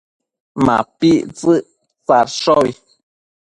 MapictsËquid tsadshobi